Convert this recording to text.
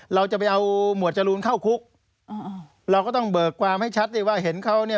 เราจะไปเอาหมวดจรูนเข้าคุกเราก็ต้องเบิกความให้ชัดสิว่าเห็นเขาเนี่ย